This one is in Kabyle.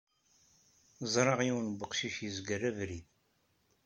Ẓriɣ yiwen weqcic yezger abrid.